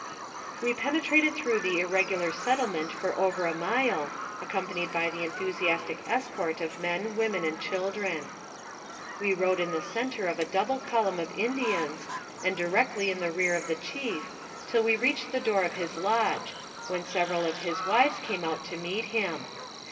We penetrated through the irregular settlement for over a mile, accompanied by the enthusiastic escort of men, women, and children. We rode in the center of a double column of Indians and directly in the rear of the chief, till we reached the door of his lodge, when several of his wives came out to meet him.